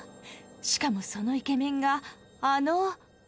しかもそのイケメンがあの。